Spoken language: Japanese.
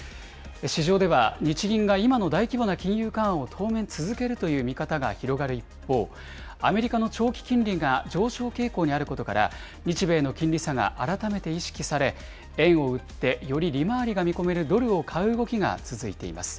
市場では日銀が今の大規模な金融緩和を当面続けるという見方が広がる一方、アメリカの長期金利が上昇傾向にあることから、日米の金利差が改めて意識され、円を売ってより利回りが見込めるドルを買う動きが続いています。